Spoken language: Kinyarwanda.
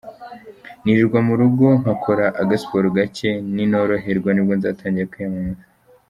Nirirwa mu rugo, nkakora aga siporo gake, ninoroherwa nibwo nzatangira kwiyamamaza.